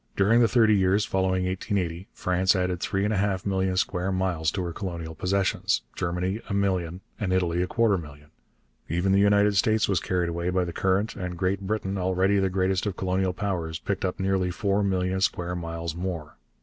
During the thirty years following 1880 France added three and a half million square miles to her colonial possessions, Germany a million, and Italy a quarter million. Even the United States was carried away by the current, and Great Britain, already the greatest of colonial powers, picked up nearly four million square miles more.